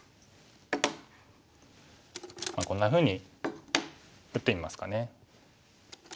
こんなふうに打ってみますかね。